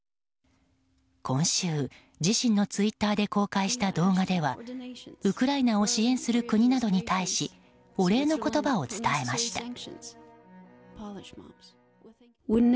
今週、自身のツイッターで公開した動画ではウクライナを支援する国などに対し、お礼の言葉を伝えました。